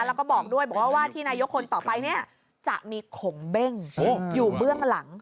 แล้วก็บอกด้วยบอกว่าว่าที่นายกคนต่อไปเนี่ยจะมีขมเบ้งอยู่เบื้องหลัง